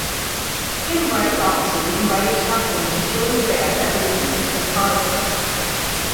Tim Rice-Oxley invited Chaplin to join the band as an acoustic guitar player.